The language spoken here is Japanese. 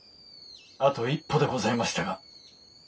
あと一歩でございましたが。